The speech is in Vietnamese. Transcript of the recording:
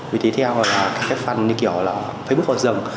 vì thế theo là các phần như kiểu là facebook họ dần